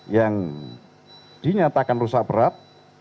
yang dinyatakan rusak berat dua puluh lima satu ratus delapan puluh enam